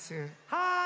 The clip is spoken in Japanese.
はい。